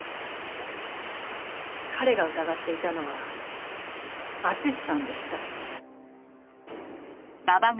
彼が疑っていたのは敦さんでした。